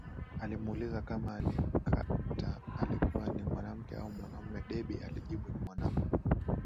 Alimuuliza kama aliyemkata alikuwa ni mwanamke au mwanaume Debby alijibu ni mwanaume